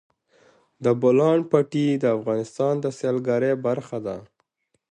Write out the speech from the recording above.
د بولان پټي د افغانستان د سیلګرۍ برخه ده.